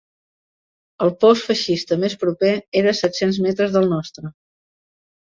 El post feixista més proper era a set-cents metres del nostre